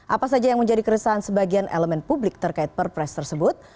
apa saja yang menjadi keresahan sebagian elemen publik terkait perpres tersebut